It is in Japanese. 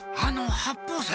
八方斎様